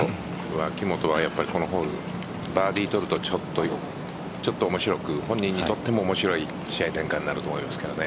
脇元は、このホールバーディー取ると本人にとっても面白い試合展開になると思いますけどね。